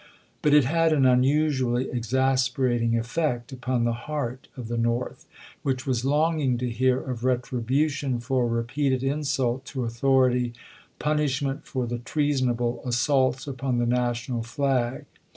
But it had an unusually exasperating effect upon the heart of the North, which was long ing to hear of retribution for repeated insult to authority, punishment for the treasonable assaults upon the national flag.